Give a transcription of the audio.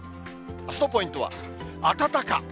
あすのポイントはあたたか。